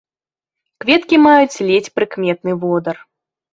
Кветкі маюць ледзь прыкметны водар.